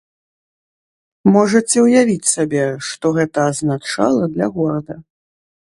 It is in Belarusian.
Можаце ўявіць сабе, што гэта азначала для горада.